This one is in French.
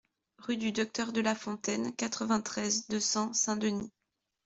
Rue du Docteur Delafontaine, quatre-vingt-treize, deux cents Saint-Denis